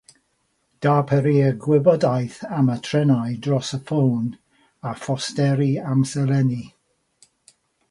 Darperir gwybodaeth am y trenau dros y ffôn a phosteri amserlenni.